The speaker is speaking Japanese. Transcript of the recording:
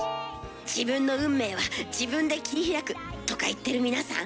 「自分の運命は自分で切り開く」とか言ってる皆さん。